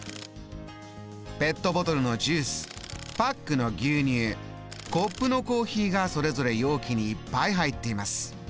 ペットボトルのジュースパックの牛乳コップのコーヒーがそれぞれ容器にいっぱい入っています。